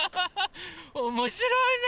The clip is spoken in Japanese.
おもしろいね！